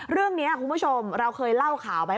เรื่องนี้คุณผู้ชมเราเคยเล่าข่าวไหม